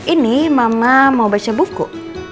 ini mama mau baca buku